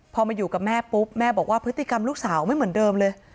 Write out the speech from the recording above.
พอมาอยู่กับแม่ปุ๊บแม่บอกว่าพฤติกรรมลูกสาวไม่เหมือนเดิมเลย